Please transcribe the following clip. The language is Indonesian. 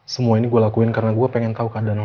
semua ini gue lakuin karena gue pengen tau keadaan lo